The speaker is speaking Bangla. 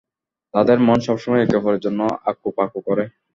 তাদের মন সব সময় একে অপরের জন্য আকুপাকু করে।